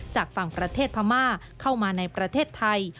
จากฝั่งประเทศพม่าเข้ามาในประเทศไทย